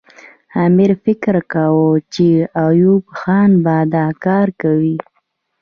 امیر فکر کاوه چې ایوب خان به دا کار کوي.